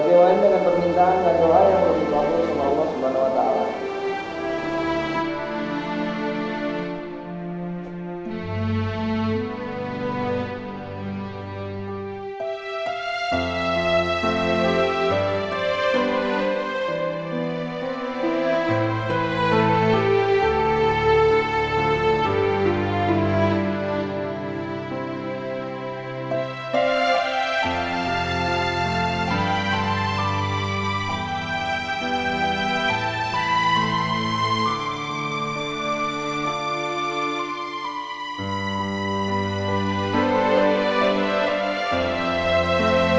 bagi orang lain dengan permintaan dan doa yang harus dikati oleh allah swt